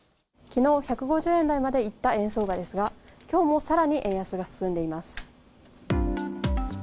きのう、１５０円台までいった円相場ですが、きょうもさらに円安が進んでいます。